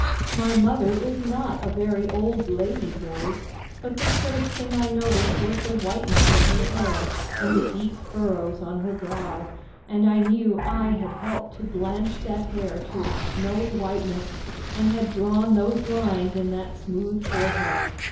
"My mother is not a very old lady, boys, but the first thing I noticed was the whiteness of her hair and the deep furrows on her brow; and I knew I had helped to blanch that hair to its snowy whiteness and had drawn those lines in that smooth forehead.